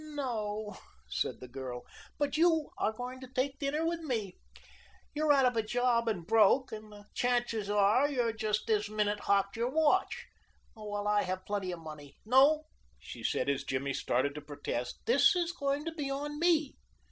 "No," said the girl, "but you are going to take dinner with me. You're out of a job and broke, and the chances are you've just this minute hocked your watch, while I have plenty of money. No," she said as Jimmy started to protest, "this is going to be on me.